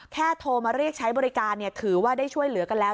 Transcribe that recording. โทรมาเรียกใช้บริการถือว่าได้ช่วยเหลือกันแล้ว